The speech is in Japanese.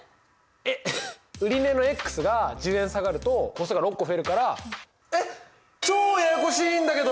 えっ？売値のが１０円下がると個数が６個増えるからえっ超ややこしいんだけど！